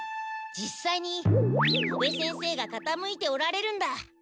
じっさいに戸部先生がかたむいておられるんだ。